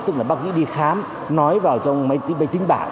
tức là bác sĩ đi khám nói vào trong máy tính bảng